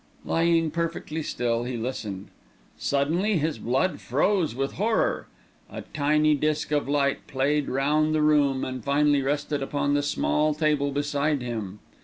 Lying perfectly still, he listened. Suddenly his blood froze with horror. A tiny disc of light played round the room and finally rested upon the small table beside him.